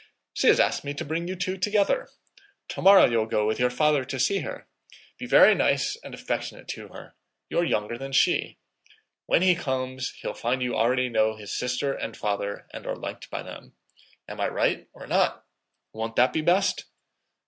She has asked me to bring you two together. Tomorrow you'll go with your father to see her. Be very nice and affectionate to her: you're younger than she. When he comes, he'll find you already know his sister and father and are liked by them. Am I right or not? Won't that be best?"